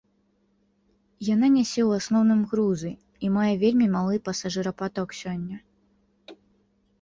Яна нясе ў асноўным грузы, і мае вельмі малы пасажырапаток сёння.